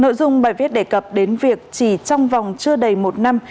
nội dung bài viết đề cập đến việc chỉ trong vòng chưa đầy một năm